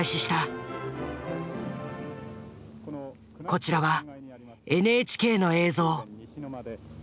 こちらはＮＨＫの映像。